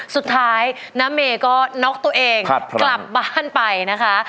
สุดท้ายน้าเมย์ก็น็อกตัวเองกลับบ้านไปนะคะ